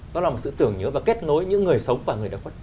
đó là một sự tưởng nhớ và kết nối những người sống và người đã khuất